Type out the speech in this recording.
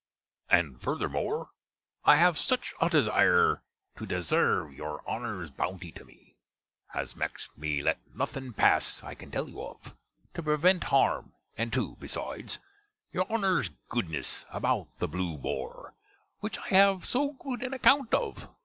And furthermore, I have such a desire to desarve your Honner's bounty to me, as mackes me let nothing pass I can tell you of, to prevent harm: and too, besides, your Honner's goodness about the Blew Bore; which I have so good an accounte of!